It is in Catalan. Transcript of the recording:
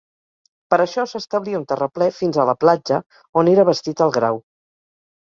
Per això s'establia un terraplè fins a la platja, on era bastit el grau.